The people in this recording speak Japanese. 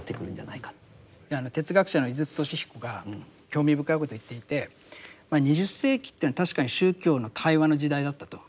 哲学者の井筒俊彦が興味深いことを言っていて２０世紀っていうのは確かに宗教の対話の時代だったと。